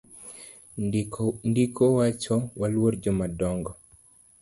Ndiko wacho waluor jomadongo.